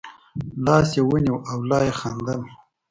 لاس یې ونیو او لا یې خندل.